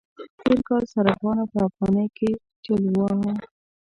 تېر کال صرافانو په افغانی کې ټېل واهه.